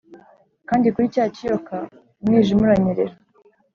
kandi kuri cya kiyoka umwijima uranyerera,